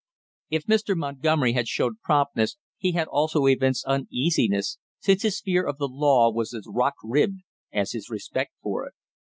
If Mr. Montgomery had shown promptness he had also evinced uneasiness, since his fear of the law was as rock ribbed as his respect for it.